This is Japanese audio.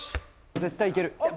絶対いける！